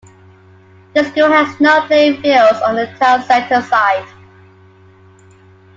The school has no playing fields on the town centre site.